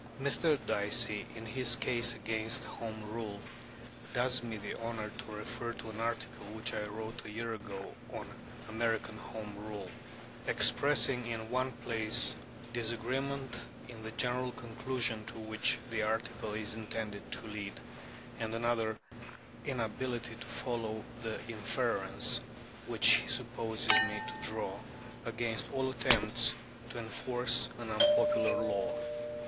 Mr. Dicey in his Case against Home Rule does me the honour to refer to an article which I wrote a year ago on "American Home Rule," expressing in one place "disagreement in the general conclusion to which the article is intended to lead," and in another "inability to follow the inference" which he supposes me to draw "against all attempts to enforce an unpopular law."